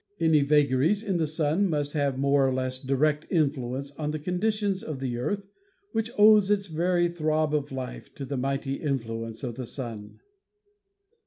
Any vagaries in the Sun must have more or less direct influence on the conditions of the Earth which owes its every throb of life to the mighty influence of the Sun.